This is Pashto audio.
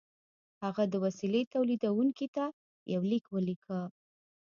هغه د وسیلې تولیدوونکي ته یو لیک ولیکه